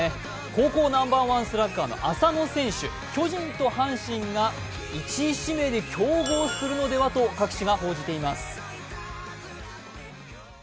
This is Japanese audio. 高校ナンバーワンスラッガーの浅野選手、巨人と阪神が１位指名で競合するのではないかと各紙が報じています。